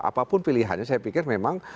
apapun pilihannya saya pikir memang